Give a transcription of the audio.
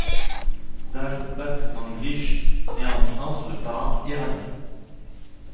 Zal Batmanglij naît en France de parents iraniens.